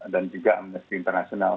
dan juga amnesti internasional